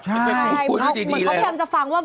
พอพยายามจะฟังว่า